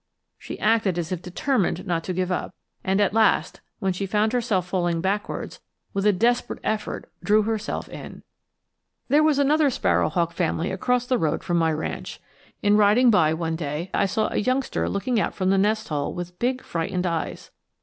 She acted as if determined not to give up, and at last, when she found herself falling backwards, with a desperate effort drew herself in. There was another sparrow hawk family across the road from my ranch. In riding by one day, I saw a youngster looking out from the nest hole with big frightened eyes.